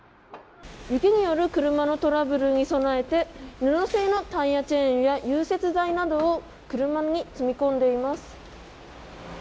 雪による車のトラブルに備えて布製のタイヤチェーンや融雪剤などを車に積み込んでいます。